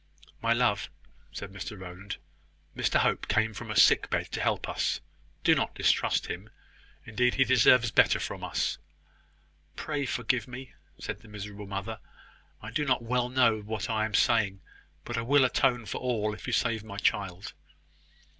"My love," said Mr Rowland, "Mr Hope came from a sick bed to help us. Do not distrust him. Indeed he deserves better from us." "Pray forgive me," said the miserable mother. "I do not well know what I am saying. But I will atone for all if you save my child."